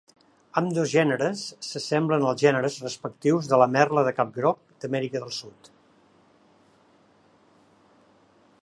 Ambdós gèneres s'assemblen als gèneres respectius de la merla de cap groc d'Amèrica del Sud.